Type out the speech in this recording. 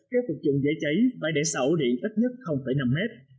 các vật dụng dễ cháy phải để sảo điện ít nhất năm m